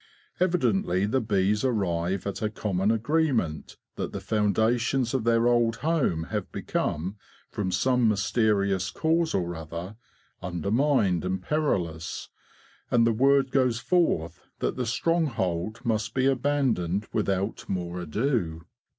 Evidently the bees arrive at a common agreement that the foundations of their old home have become, from some mysterious cause or other, undermined and perilous; and the word goes forth that the stronghold must be abandoned without more ado.